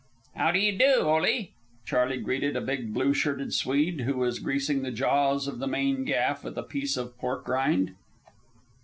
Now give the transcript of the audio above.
"How d'ye do, Ole," Charley greeted a big blue shirted Swede who was greasing the jaws of the main gaff with a piece of pork rind.